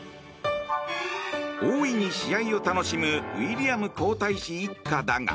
大いに試合を楽しむウィリアム皇太子一家だが。